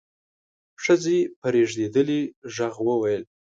ښځې په رېږدېدلي غږ وويل: